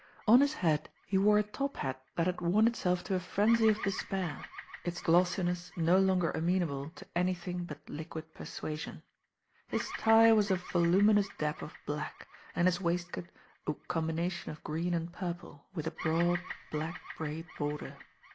On his head he wore a top hat that had worn itself to a frenzy of despair, its glossiness no longer amenable to anything but liquid persuasion. His tie was a voluminous dab of black, and his waistcoat a combination of green and purple, with a broad, black braid border.